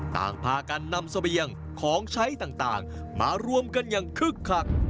ต่างพากันนำเสบียงของใช้ต่างมารวมกันอย่างคึกคัก